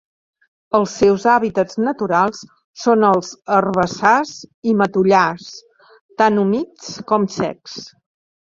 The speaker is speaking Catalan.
Els seus hàbitats naturals són els herbassars i matollars, tant humits com secs.